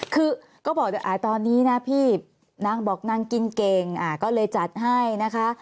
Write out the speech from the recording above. คือก็บอกด้วยตอนนี้นะพี่นางบอกนางกินเก่งก็เลยจัดให้นะคะ